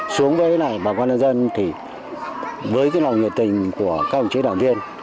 xuống với bà con nhân dân thì với cái lòng nhiệt tình của các đồng chí đảng viên